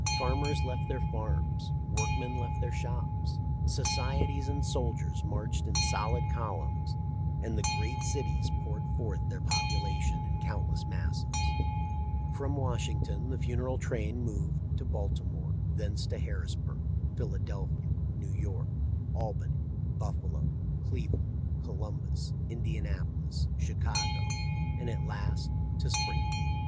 Farmers left their farms, workmen left their shops, societies and soldiers marched in solid columns, and the great cities poured forth their population in countless masses. From Washington the funeral ._ FORD'S THEATRE Washington P,omrapheO by J. f J"™'' THE LIFE OF LINCOLN. 57 1 train moved to Baltimore, thence to Harrisburg, Philadelphia, New York, Albany, Buffalo, Cleve land, Columbus, Indianapolis, Chicago, and at last to Springfield.